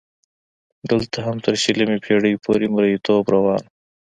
دلته هم تر شلمې پېړۍ پورې مریتوب روان و.